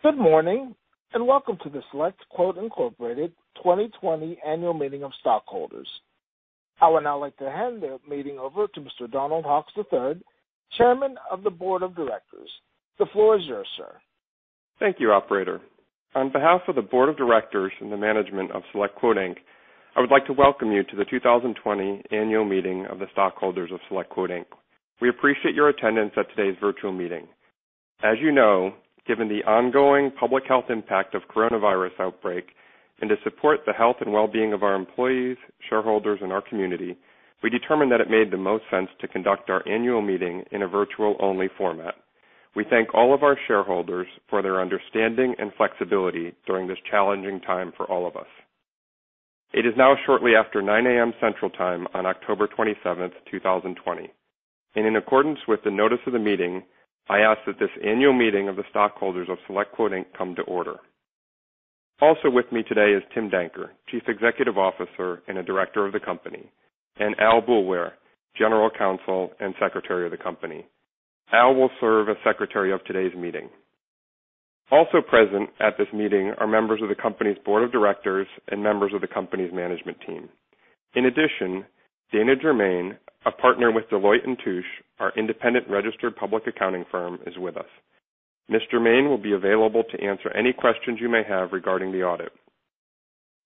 Good morning, and welcome to the SelectQuote Incorporated 2020 Annual Meeting of Stockholders. I would now like to hand the meeting over to Mr. Donald Hawks III, Chairman of the Board of Directors. The floor is yours, sir. Thank you, operator. On behalf of the Board of Directors and the management of SelectQuote Inc., I would like to welcome you to the 2020 Annual Meeting of the Stockholders of SelectQuote Inc. We appreciate your attendance at today's virtual meeting. As you know, given the ongoing public health impact of coronavirus outbreak, and to support the health and wellbeing of our employees, shareholders, and our community, we determined that it made the most sense to conduct our annual meeting in a virtual-only format. We thank all of our shareholders for their understanding and flexibility during this challenging time for all of us. It is now shortly after 9:00 A.M. Central Time on October 27th, 2020, and in accordance with the notice of the meeting, I ask that this annual meeting of the stockholders of SelectQuote Inc. come to order. With me today is Tim Danker, Chief Executive Officer and a Director of the company, and Al Boulware, General Counsel and Secretary of the company. Al will serve as Secretary of today's meeting. Present at this meeting are members of the company's Board of Directors and members of the company's management team. Dana Jermain, a partner with Deloitte & Touche, our independent registered public accounting firm, is with us. Ms. Jermain will be available to answer any questions you may have regarding the audit.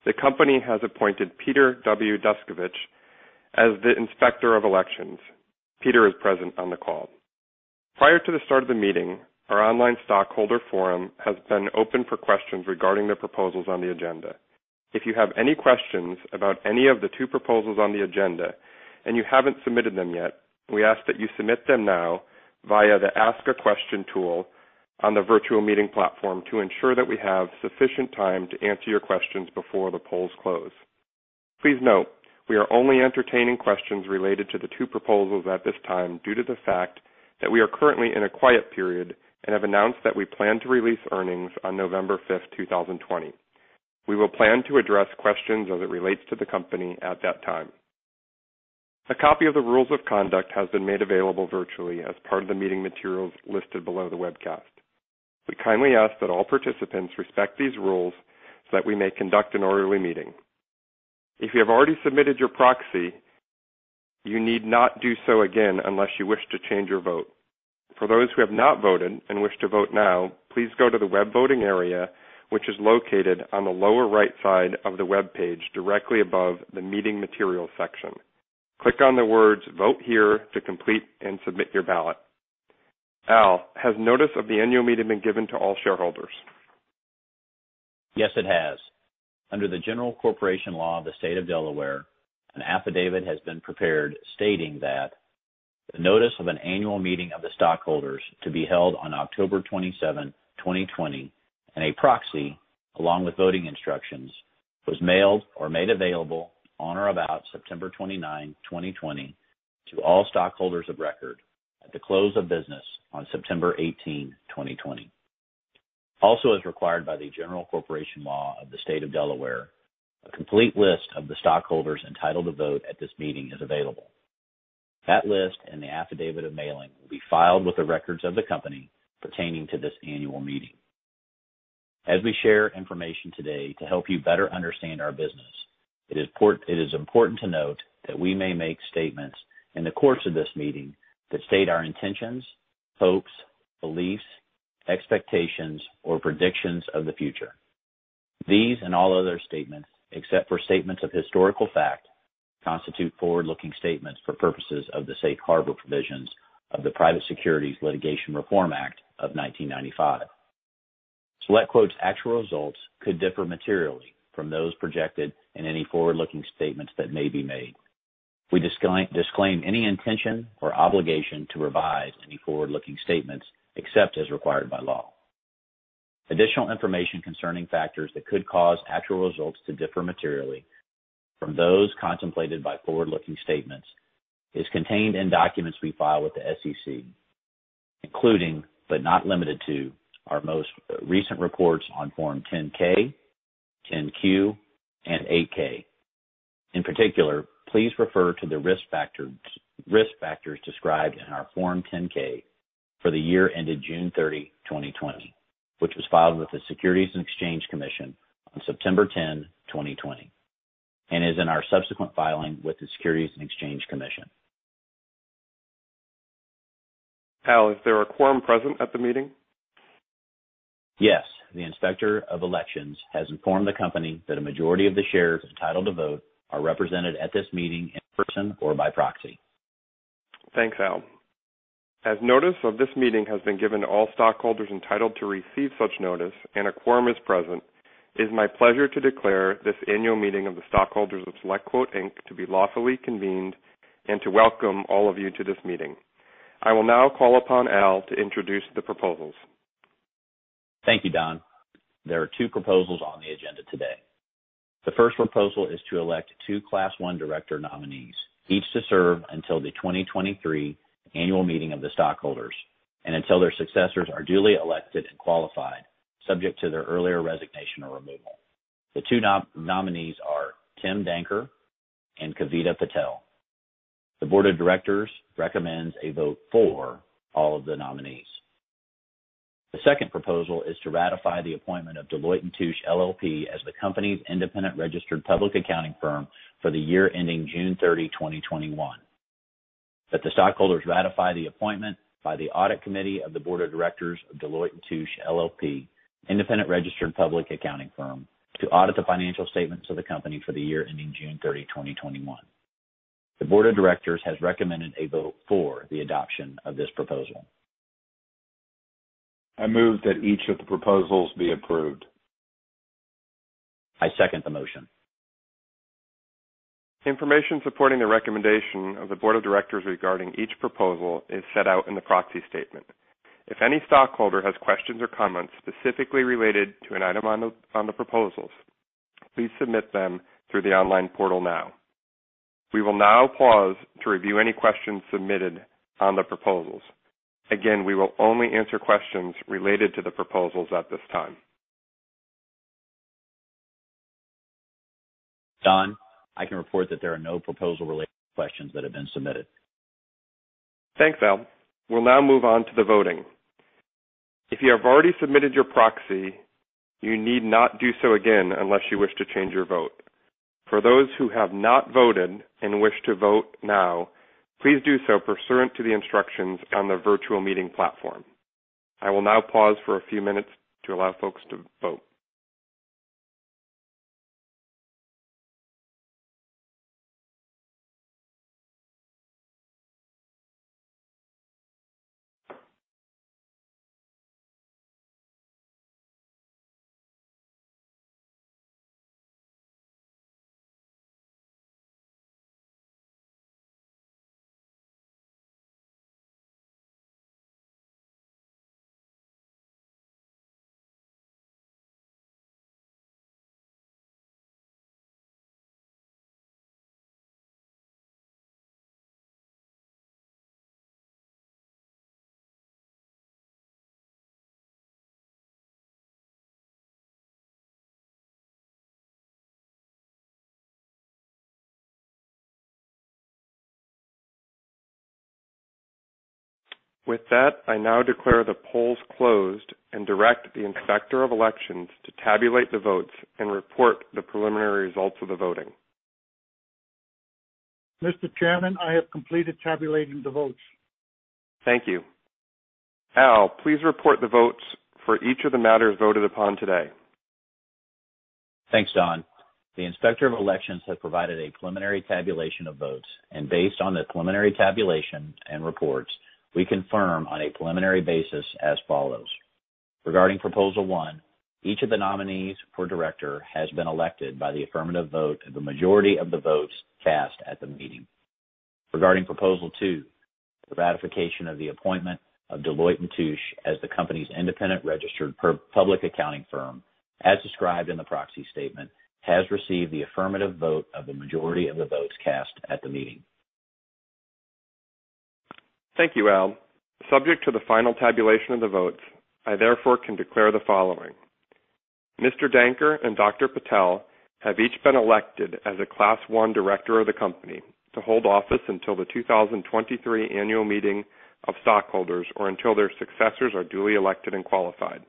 The company has appointed Peter W. Descovich as the Inspector of Elections. Peter is present on the call. Prior to the start of the meeting, our online stockholder forum has been open for questions regarding the proposals on the agenda. If you have any questions about any of the two proposals on the agenda and you haven't submitted them yet, we ask that you submit them now via the Ask a Question tool on the virtual meeting platform to ensure that we have sufficient time to answer your questions before the polls close. Please note, we are only entertaining questions related to the two proposals at this time due to the fact that we are currently in a quiet period and have announced that we plan to release earnings on November 5th, 2020. We will plan to address questions as it relates to the company at that time. A copy of the rules of conduct has been made available virtually as part of the meeting materials listed below the webcast. We kindly ask that all participants respect these rules so that we may conduct an orderly meeting. If you have already submitted your proxy, you need not do so again unless you wish to change your vote. For those who have not voted and wish to vote now, please go to the web voting area, which is located on the lower right side of the webpage directly above the Meeting Materials section. Click on the words Vote Here to complete and submit your ballot. Al, has notice of the annual meeting been given to all shareholders? Yes, it has. Under the General Corporation Law of the State of Delaware, an affidavit has been prepared stating that the notice of an annual meeting of the stockholders to be held on October 27, 2020, and a proxy, along with voting instructions, was mailed or made available on or about September 29, 2020, to all stockholders of record at the close of business on September 18, 2020. Also, as required by the General Corporation Law of the State of Delaware, a complete list of the stockholders entitled to vote at this meeting is available. That list and the affidavit of mailing will be filed with the records of the company pertaining to this annual meeting. As we share information today to help you better understand our business, it is important to note that we may make statements in the course of this meeting that state our intentions, hopes, beliefs, expectations, or predictions of the future. These and all other statements, except for statements of historical fact, constitute forward-looking statements for purposes of the safe harbor provisions of the Private Securities Litigation Reform Act of 1995. SelectQuote's actual results could differ materially from those projected in any forward-looking statements that may be made. We disclaim any intention or obligation to revise any forward-looking statements, except as required by law. Additional information concerning factors that could cause actual results to differ materially from those contemplated by forward-looking statements is contained in documents we file with the SEC, including, but not limited to, our most recent reports on Form 10-K, 10-Q, and 8-K. In particular, please refer to the risk factors described in our Form 10-K for the year ended June 30, 2020, which was filed with the Securities and Exchange Commission on September 10, 2020, and is in our subsequent filing with the Securities and Exchange Commission. Al, is there a quorum present at the meeting? Yes. The Inspector of Elections has informed the company that a majority of the shares entitled to vote are represented at this meeting in person or by proxy. Thanks, Al. As notice of this meeting has been given to all stockholders entitled to receive such notice and a quorum is present, it is my pleasure to declare this annual meeting of the stockholders of SelectQuote Inc to be lawfully convened and to welcome all of you to this meeting. I will now call upon Al to introduce the proposals. Thank you, Don. There are two proposals on the agenda today. The first proposal is to elect two Class 1 Director nominees, each to serve until the 2023 annual meeting of the stockholders and until their successors are duly elected and qualified, subject to their earlier resignation or removal. The two nominees are Tim Danker and Kavita Patel. The Board of Directors recommends a vote for all of the nominees. The second proposal is to ratify the appointment of Deloitte & Touche LLP as the company's independent registered public accounting firm for the year ending June 30, 2021. That the stockholders ratify the appointment by the Audit Committee of the Board of Directors of Deloitte & Touche LLP independent registered public accounting firm to audit the financial statements of the company for the year ending June 30, 2021. The Board of Directors has recommended a vote for the adoption of this proposal. I move that each of the proposals be approved. I second the motion. Information supporting the recommendation of the Board of Directors regarding each proposal is set out in the proxy statement. If any stockholder has questions or comments specifically related to an item on the proposals, please submit them through the online portal now. We will now pause to review any questions submitted on the proposals. Again, we will only answer questions related to the proposals at this time. Don, I can report that there are no proposal-related questions that have been submitted. Thanks, Al. We'll now move on to the voting. If you have already submitted your proxy, you need not do so again unless you wish to change your vote. For those who have not voted and wish to vote now, please do so pursuant to the instructions on the virtual meeting platform. I will now pause for a few minutes to allow folks to vote. With that, I now declare the polls closed and direct the Inspector of Elections to tabulate the votes and report the preliminary results of the voting. Mr. Chairman, I have completed tabulating the votes. Thank you. Al, please report the votes for each of the matters voted upon today. Thanks, Don. The inspector of elections has provided a preliminary tabulation of votes, and based on the preliminary tabulation and reports, we confirm on a preliminary basis as follows. Regarding proposal one, each of the nominees for Director has been elected by the affirmative vote of the majority of the votes cast at the meeting. Regarding proposal two, the ratification of the appointment of Deloitte & Touche as the company's independent registered public accounting firm, as described in the proxy statement, has received the affirmative vote of the majority of the votes cast at the meeting. Thank you, Al. Subject to the final tabulation of the votes, I therefore can declare the following. Mr. Danker and Dr. Patel have each been elected as a Class 1 Director of the company to hold office until the 2023 annual meeting of stockholders or until their successors are duly elected and qualified.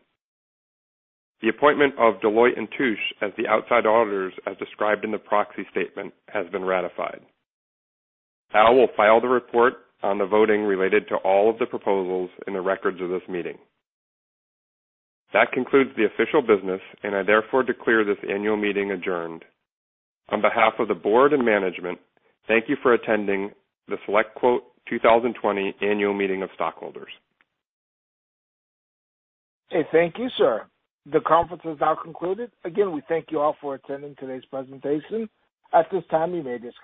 The appointment of Deloitte & Touche as the outside auditors, as described in the proxy statement, has been ratified. Al will file the report on the voting related to all of the proposals in the records of this meeting. That concludes the official business, and I therefore declare this annual meeting adjourned. On behalf of the Board and Management, thank you for attending the SelectQuote 2020 Annual Meeting of Stockholders. Okay. Thank you, sir. The conference is now concluded. Again, we thank you all for attending today's presentation. At this time, you may disconnect.